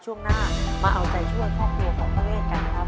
ช่วงหน้ามาเอาใจช่วยข้อเปลี่ยนของเจ้าเวทกันนะครับ